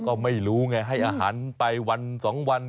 ก็ไม่รู้ไงให้อาหารไปวัน๒วัน